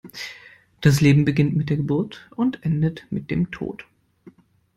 Das Leben beginnt mit der Geburt und endet mit dem Tod.